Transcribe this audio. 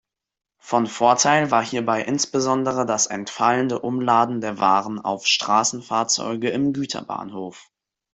Von Vorteil war hierbei insbesondere das entfallende Umladen der Waren auf Straßenfahrzeuge im Güterbahnhof.